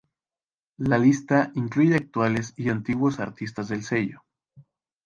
La lista incluye actuales y antiguos artistas del sello.